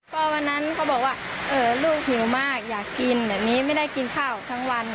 ก็วันนั้นเขาบอกว่าลูกหิวมากอยากกินแบบนี้ไม่ได้กินข้าวทั้งวัน